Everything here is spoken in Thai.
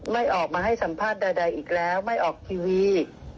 ไม่ออกมาให้สัมภาษณ์ใดอีกแล้วไม่ออกทีวี